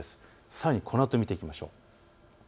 さらにこのあと見ていきましょう。